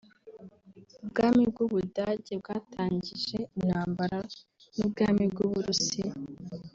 ubwami bw’ubudage bwatangije intambara n’ubwami bw’uburusiya